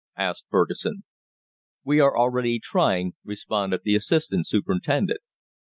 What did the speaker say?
asked Fergusson. "We are already trying," responded the assistant superintendent.